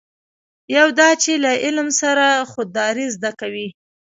یو دا چې له علم سره خودداري زده کوي.